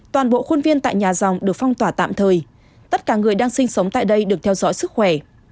toàn bộ khuôn viên tại nhà dòng được phong tỏa tạm thời tất cả người đang sinh sống tại đây được theo dõi sức khỏe